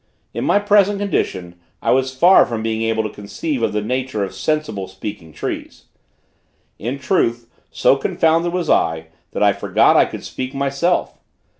In my present condition, I was far from being able to conceive of the nature of sensible, speaking trees. In truth, so confounded was I, that I forgot I could speak myself.